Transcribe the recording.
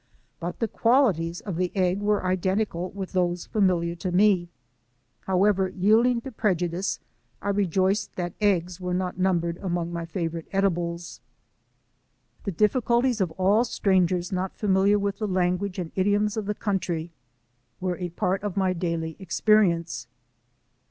But the qualities of the egg were identical with those familiar to me ; however, yielding to preju dice, I rejoiced that eggs were not numbered among my favorite edibles. The difficulties of all strangers not familiar with the language and idioms of the country were a part of my daily experience.